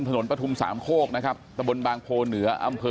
ถนนประถุมสามโคกนะครับตระบนบางโพนหนยอ่าอำเพอ